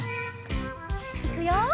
いくよ。